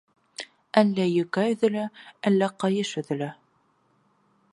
Әллә йүкә өҙөлә, әллә ҡайыш өҙөлә.